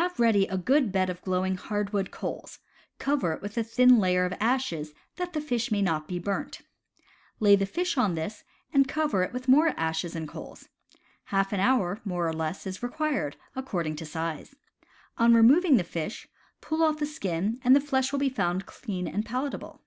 Have ready a good bed of glowing hardwood coals; cover it with a thin layer of ashes, that the fish may not be burnt. Lay the fish on this, and cover it with more ashes and coals. Half an hour, more or less, is required, accord ing to size. On removing the fish, pull off the skin, and the flesh will be found clean and palatable.